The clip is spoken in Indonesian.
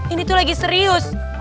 ini tuh lagi serius